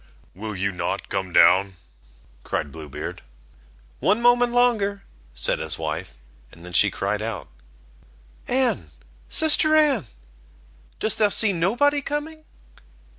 "Will you not come down?" cried Blue Beard. "One moment longer," said his wife, and then she cried out: "Anne, sister Anne, dost thou see nobody coming?"